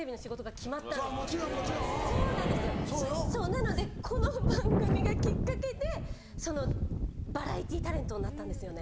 なのでこの番組がきっかけでそのバラエティータレントになったんですよね。